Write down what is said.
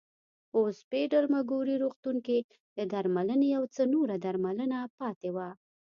په اوسپیډل مګوري روغتون کې د درملنې یو څه نوره درملنه پاتې وه.